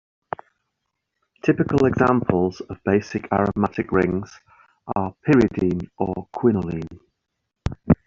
Typical examples of basic aromatic rings are pyridine or quinoline.